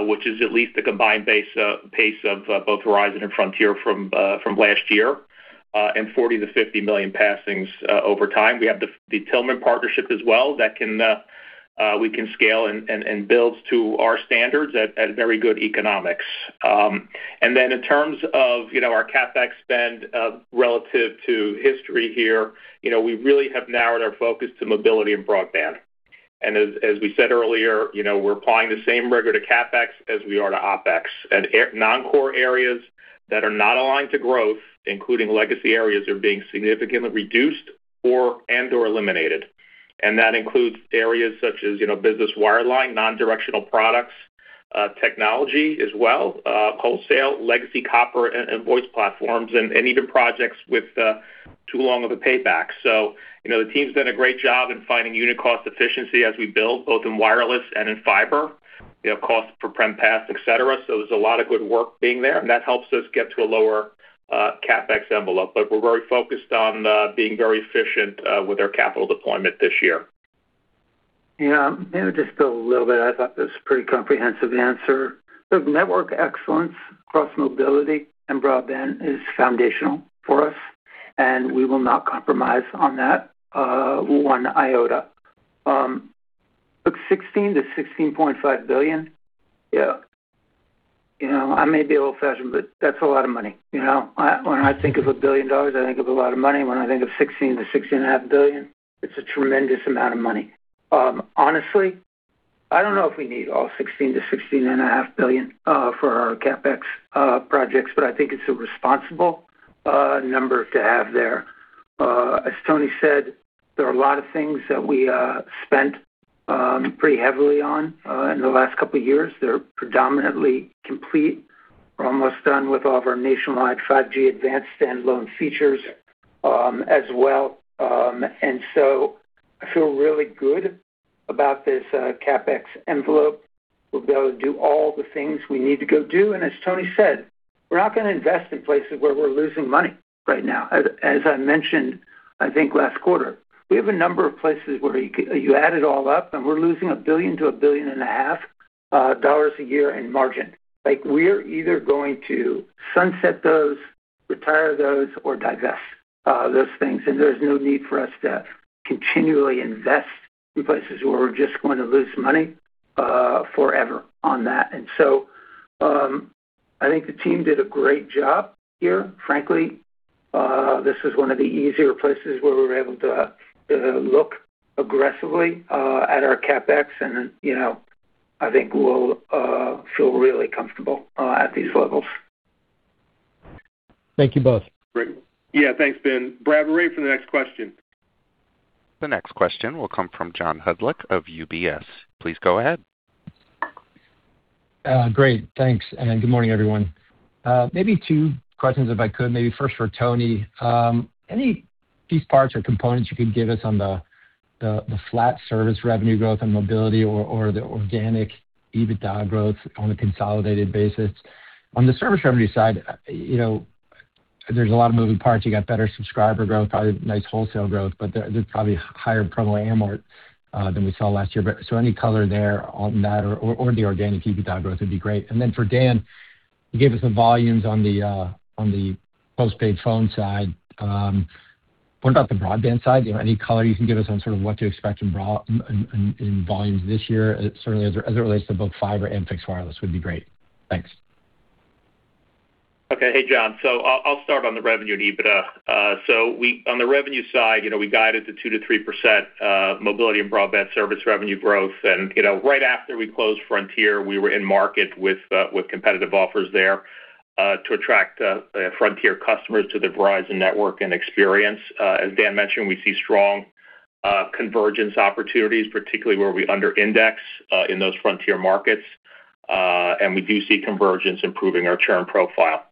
which is at least the combined base pace of both Verizon and Frontier from last year, and 40 million-50 million passings over time. We have the Tillman partnership as well, that we can scale and build to our standards at very good economics. And then in terms of, you know, our CapEx spend relative to history here, you know, we really have narrowed our focus to mobility and broadband. And as we said earlier, you know, we're applying the same rigor to CapEx as we are to OpEx. And non-core areas that are not aligned to growth, including legacy areas, are being significantly reduced or and/or eliminated. And that includes areas such as, you know, business wireline, nondirectional products, technology as well, wholesale, legacy copper and, and voice platforms, and, and even projects with too long of a payback. So, you know, the team's done a great job in finding unit cost efficiency as we build, both in wireless and in fiber, you know, cost per prem pass, et cetera. So there's a lot of good work being there, and that helps us get to a lower CapEx envelope. But we're very focused on being very efficient with our capital deployment this year. Yeah, maybe just a little bit. I thought that was a pretty comprehensive answer. So network excellence across mobility and broadband is foundational for us, and we will not compromise on that, one iota. Look, $16 billion-$16.5 billion, yeah, you know, I may be old-fashioned, but that's a lot of money, you know? When I think of $1 billion, I think of a lot of money. When I think of $16 billion-$16.5 billion, it's a tremendous amount of money. Honestly, I don't know if we need all $16 billion-$16.5 billion, for our CapEx projects, but I think it's a responsible, number to have there. As Tony said, there are a lot of things that we, spent, pretty heavily on, in the last couple of years. They're predominantly complete. We're almost done with all of our nationwide 5G Advanced standalone features, as well. And so I feel really good about this, CapEx envelope. We'll be able to do all the things we need to go do, and as Tony said, ...We're not going to invest in places where we're losing money right now. As I mentioned, I think last quarter, we have a number of places where you add it all up, and we're losing $1 billion-$1.5 billion a year in margin. Like, we're either going to sunset those, retire those, or divest those things, and there's no need for us to continually invest in places where we're just going to lose money forever on that. And so, I think the team did a great job here, frankly. This is one of the easier places where we were able to look aggressively at our CapEx, and, you know, I think we'll feel really comfortable at these levels. Thank you both. Great. Yeah, thanks, Ben. Brady, we're ready for the next question. The next question will come from John Hodulik of UBS. Please go ahead. Great, thanks, and good morning, everyone. Maybe two questions, if I could. Maybe first for Tony. Any piece parts or components you could give us on the flat service revenue growth and mobility or the organic EBITDA growth on a consolidated basis? On the service revenue side, you know, there's a lot of moving parts. You got better subscriber growth, probably nice wholesale growth, but there's probably higher promo amort than we saw last year. But so any color there on that or the organic EBITDA growth would be great. And then for Dan, you gave us some volumes on the postpaid phone side. What about the broadband side? You know, any color you can give us on sort of what to expect in broad, in volumes this year, certainly as it relates to both fiber and fixed wireless, would be great. Thanks. Okay. Hey, John. So I'll start on the revenue and EBITDA. So we on the revenue side, you know, we guided to 2%-3% mobility and broadband service revenue growth. And, you know, right after we closed Frontier, we were in market with competitive offers there to attract Frontier customers to the Verizon network and experience. As Dan mentioned, we see strong convergence opportunities, particularly where we under index in those Frontier markets. And we do see convergence improving our churn profile.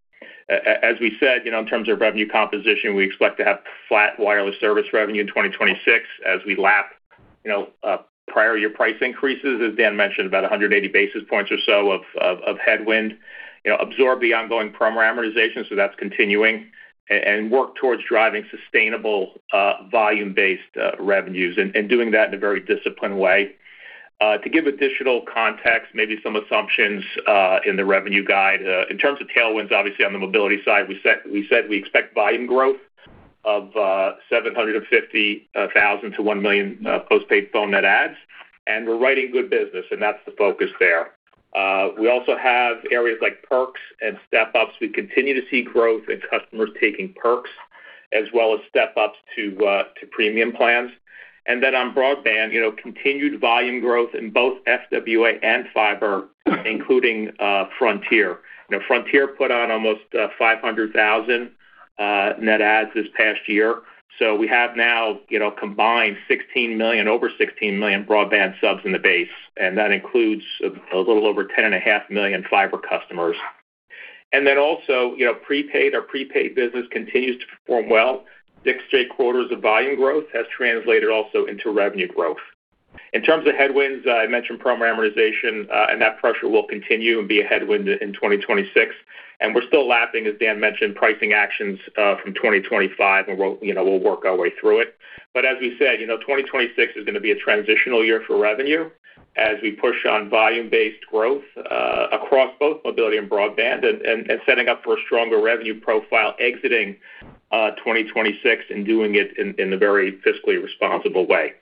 As we said, you know, in terms of revenue composition, we expect to have flat wireless service revenue in 2026 as we lap, you know, prior year price increases, as Dan mentioned, about 180 basis points or so of headwind. You know, absorb the ongoing promo amortization, so that's continuing, and work towards driving sustainable, volume-based, revenues, and doing that in a very disciplined way. To give additional context, maybe some assumptions, in the revenue guide. In terms of tailwinds, obviously on the mobility side, we said we expect volume growth of 750,000-1,000,000 postpaid phone net adds, and we're writing good business, and that's the focus there. We also have areas like perks and step-ups. We continue to see growth in customers taking perks, as well as step-ups to premium plans. And then on broadband, you know, continued volume growth in both FWA and fiber, including Frontier. Now, Frontier put on almost 500,000 net adds this past year. So we have now, you know, combined 16 million, over 16 million broadband subs in the base, and that includes a little over 10.5 million fiber customers. And then also, you know, prepaid, our prepaid business continues to perform well. Six straight quarters of volume growth has translated also into revenue growth. In terms of headwinds, I mentioned promo amortization, and that pressure will continue and be a headwind in 2026, and we're still lapping, as Dan mentioned, pricing actions, from 2025, and we'll, you know, we'll work our way through it. But as we said, you know, 2026 is gonna be a transitional year for revenue as we push on volume-based growth across both mobility and broadband and setting up for a stronger revenue profile exiting 2026 and doing it in a very fiscally responsible way.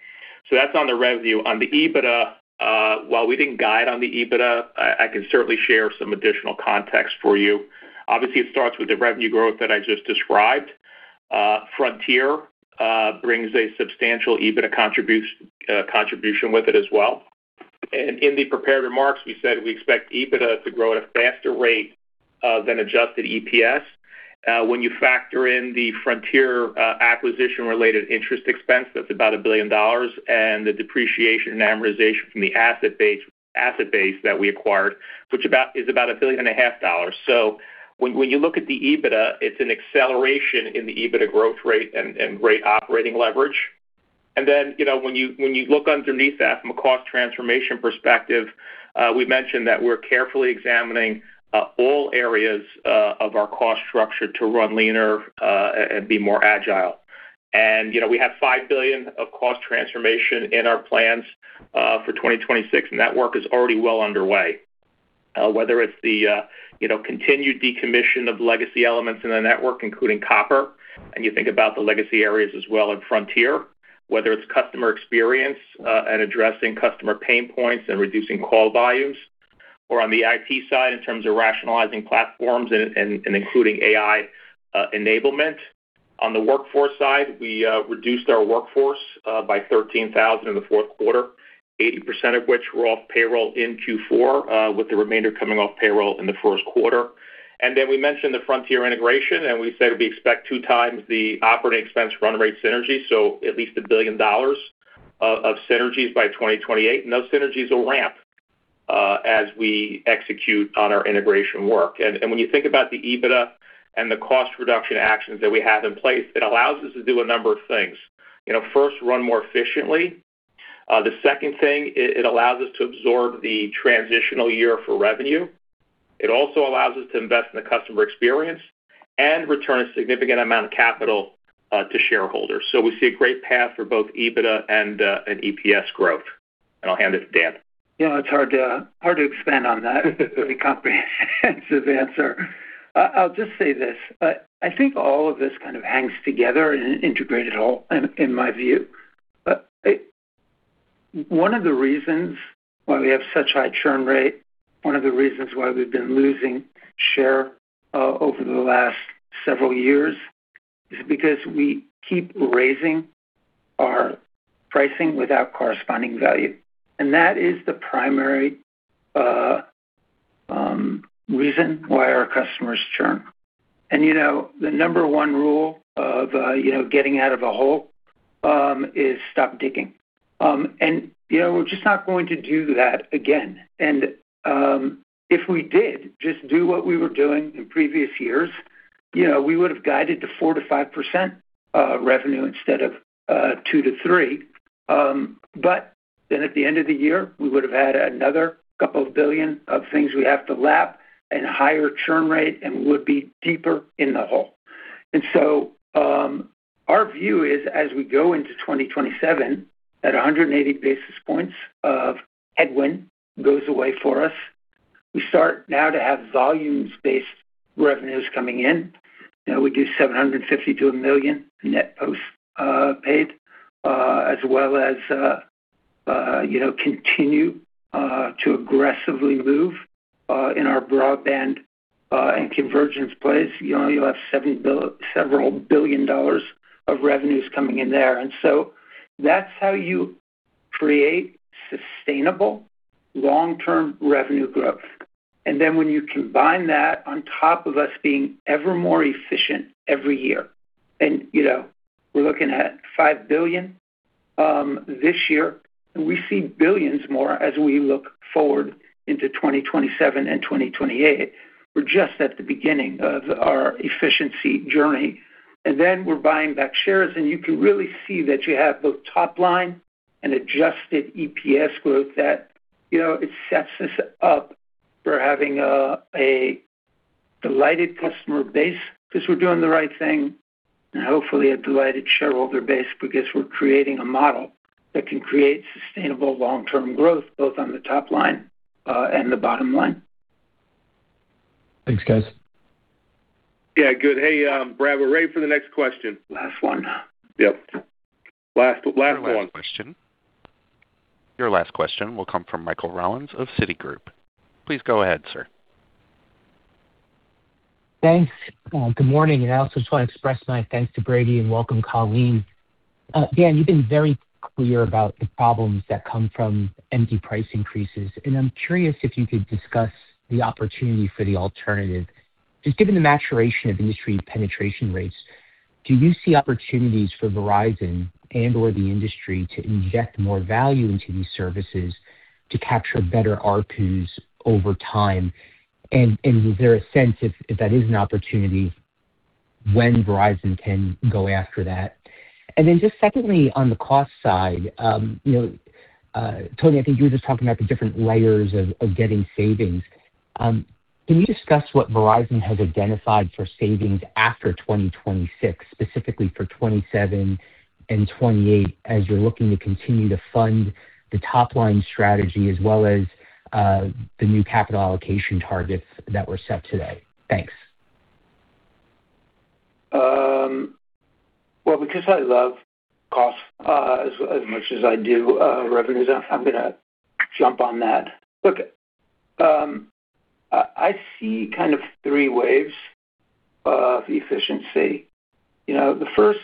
So that's on the revenue. On the EBITDA, while we didn't guide on the EBITDA, I can certainly share some additional context for you. Obviously, it starts with the revenue growth that I just described. Frontier brings a substantial EBITDA contribution with it as well. And in the prepared remarks, we said we expect EBITDA to grow at a faster rate than Adjusted EPS. When you factor in the Frontier acquisition-related interest expense, that's about $1 billion, and the depreciation and amortization from the asset base, asset base that we acquired, which is about $1.5 billion. So when you look at the EBITDA, it's an acceleration in the EBITDA growth rate and great operating leverage. And then, you know, when you look underneath that, from a cost transformation perspective, we mentioned that we're carefully examining all areas of our cost structure to run leaner and be more agile. And, you know, we have $5 billion of cost transformation in our plans for 2026, and that work is already well underway. Whether it's the, you know, continued decommission of legacy elements in the network, including copper, and you think about the legacy areas as well in Frontier. Whether it's customer experience and addressing customer pain points and reducing call volumes, or on the IT side, in terms of rationalizing platforms and including AI enablement. On the workforce side, we reduced our workforce by 13,000 in the fourth quarter, 80% of which were off payroll in Q4, with the remainder coming off payroll in the first quarter. And then we mentioned the Frontier integration, and we said we expect 2x the operating expense run rate synergy, so at least $1 billion of synergies by 2028. And those synergies will ramp as we execute on our integration work. When you think about the EBITDA and the cost reduction actions that we have in place, it allows us to do a number of things. You know, first, run more efficiently. The second thing, it allows us to absorb the transitional year for revenue. It also allows us to invest in the customer experience and return a significant amount of capital to shareholders. So we see a great path for both EBITDA and EPS growth. I'll hand it to Dan. Yeah, it's hard to expand on that. Very comprehensive answer. I'll just say this. I think all of this kind of hangs together in an integrated whole, in my view. But one of the reasons why we have such high churn rate, one of the reasons why we've been losing share over the last several years, is because we keep raising our pricing without corresponding value, and that is the primary reason why our customers churn. And, you know, the number one rule of, you know, getting out of a hole is stop digging. And, you know, we're just not going to do that again. And, if we did just do what we were doing in previous years, you know, we would have guided to 4%-5% revenue instead of 2-3. But then at the end of the year, we would have had another couple of billion of things we have to lap and higher churn rate, and we would be deeper in the hole. So, our view is, as we go into 2027, that 180 basis points of headwind goes away for us. We start now to have volumes-based revenues coming in. You know, we do 750 to 1 million net postpaid, as well as, you know, continue to aggressively move in our broadband and convergence plays. You know, you'll have several billion dollars of revenues coming in there. So that's how you create sustainable long-term revenue growth. And then when you combine that on top of us being ever more efficient every year, and, you know, we're looking at $5 billion this year, and we see billions more as we look forward into 2027 and 2028. We're just at the beginning of our efficiency journey, and then we're buying back shares, and you can really see that you have both top line and Adjusted EPS growth that, you know, it sets us up for having a delighted customer base because we're doing the right thing, and hopefully, a delighted shareholder base, because we're creating a model that can create sustainable long-term growth, both on the top line, and the bottom line. Thanks, guys. Yeah, good. Hey, Brad, we're ready for the next question. Last one. Yep. Last, last one. Your last question. Your last question will come from Michael Rollins of Citigroup. Please go ahead, sir. Thanks. Good morning, and I also just want to express my thanks to Brady and welcome Colleen. Dan, you've been very clear about the problems that come from empty price increases, and I'm curious if you could discuss the opportunity for the alternative. Just given the maturation of industry penetration rates, do you see opportunities for Verizon and/or the industry to inject more value into these services to capture better ARPUs over time? And is there a sense if that is an opportunity, when Verizon can go after that? And then just secondly, on the cost side, you know, Tony, I think you were just talking about the different layers of getting savings. Can you discuss what Verizon has identified for savings after 2026, specifically for 2027 and 2028, as you're looking to continue to fund the top line strategy, as well as the new capital allocation targets that were set today? Thanks. Well, because I love cost as much as I do revenues, I'm going to jump on that. Look, I see kind of three waves of efficiency. You know, the first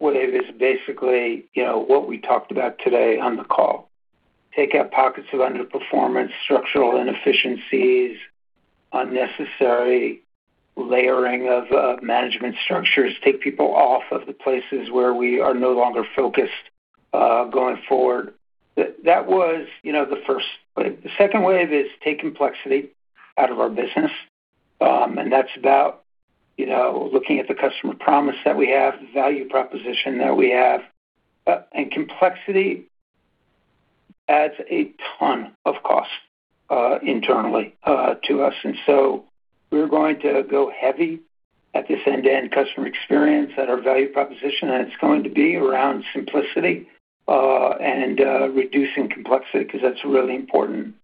wave is basically, you know, what we talked about today on the call. Take out pockets of underperformance, structural inefficiencies, unnecessary layering of management structures, take people off of the places where we are no longer focused going forward. That was, you know, the first wave. The second wave is take complexity out of our business, and that's about, you know, looking at the customer promise that we have, the value proposition that we have. Complexity adds a ton of cost, internally, to us, and so we're going to go heavy at this end-to-end customer experience at our value proposition, and it's going to be around simplicity and reducing complexity, because that's really important.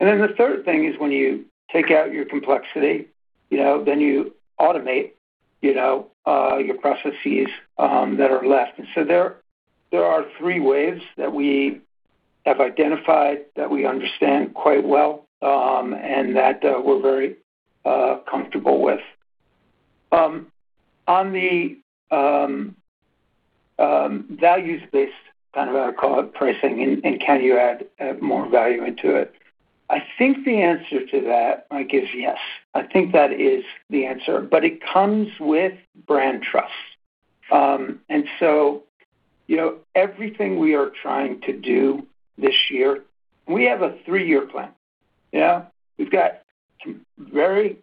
Then the third thing is, when you take out your complexity, you know, then you automate, you know, your processes that are left. So there, there are three waves that we have identified, that we understand quite well, and that we're very comfortable with. On the values-based, kind of how I call it, pricing, and can you add more value into it? I think the answer to that, I give yes. I think that is the answer, but it comes with brand trust. And so, you know, everything we are trying to do this year, we have a 3-year plan. Yeah, we've got some very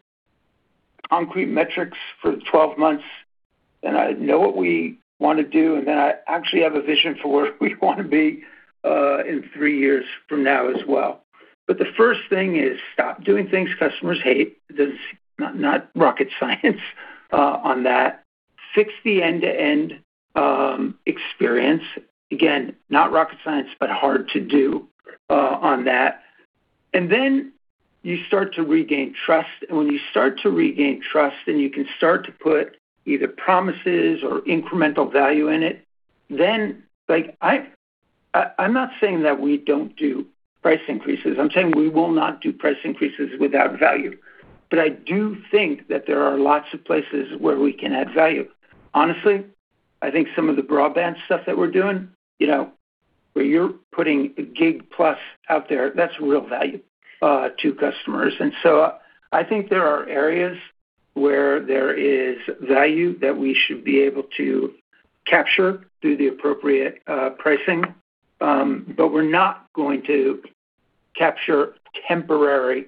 concrete metrics for the 12 months, and I know what we want to do, and then I actually have a vision for where we want to be in 3 years from now as well. But the first thing is, stop doing things customers hate. There's not, not rocket science on that. Fix the end-to-end experience. Again, not rocket science, but hard to do on that. And then you start to regain trust, and when you start to regain trust, then you can start to put either promises or incremental value in it, then like... I'm not saying that we don't do price increases, I'm saying we will not do price increases without value. But I do think that there are lots of places where we can add value. Honestly, I think some of the broadband stuff that we're doing, you know, where you're putting a Gig+ out there, that's real value to customers. And so I think there are areas where there is value that we should be able to capture through the appropriate pricing, but we're not going to capture temporary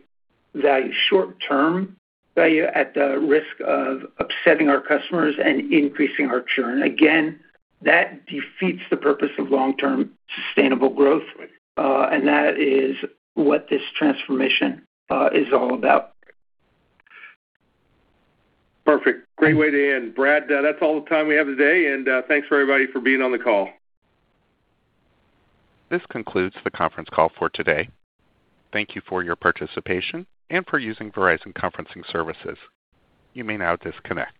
value, short-term value, at the risk of upsetting our customers and increasing our churn. Again, that defeats the purpose of long-term sustainable growth, and that is what this transformation is all about. Perfect. Great way to end. Brady, that's all the time we have today, and, thanks for everybody for being on the call. This concludes the conference call for today. Thank you for your participation and for using Verizon Conferencing Services. You may now disconnect.